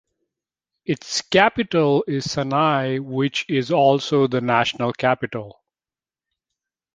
Its capital is Sana'a, which is also the national capital.